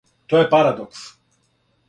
То је парадокс!